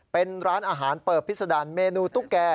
เป็นร้านอาหารเปิบพิษดันเมนูตุ๊กแก่